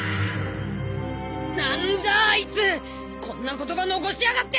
なんだアイツこんな言葉残しやがって！